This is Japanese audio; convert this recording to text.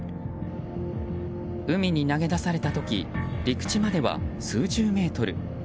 海に投げ出された時陸地までは数十メートル。